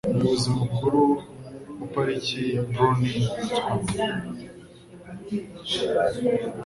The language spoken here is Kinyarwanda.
Umuyobozi mukuru wapariki ya Brownie yitwa nde?